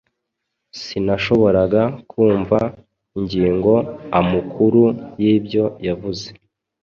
Sinashoboraga no kumva ingingo amukuru y'ibyo yavuze.